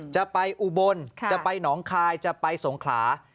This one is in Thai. จะไปอุบลจะไปหนองคายจะไปสงขลา